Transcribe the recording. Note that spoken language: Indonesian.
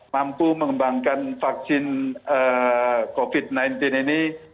mampu mengembangkan vaksin covid sembilan belas ini